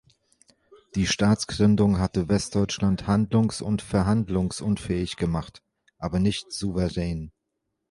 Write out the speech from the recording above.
Die Staatsgründung hatte Westdeutschland handlungs- und verhandlungsfähig gemacht, aber nicht souverän.